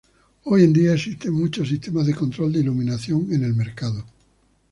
Hoy en día existen muchos sistemas de control de iluminación en el mercado.